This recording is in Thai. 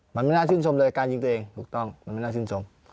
มันไม่น่าชื่นชมเลยการยิงตัวเองถูกต้องมันไม่น่าชื่นชม